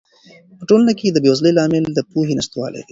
په ټولنه کې د بې وزلۍ لامل د پوهې نشتوالی دی.